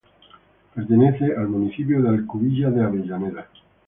Pertenece al municipio de Alcubilla de Avellaneda.